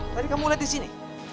tadi kamu lihat di sini